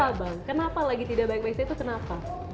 kenapa bang kenapa lagi tidak baik baik saja itu kenapa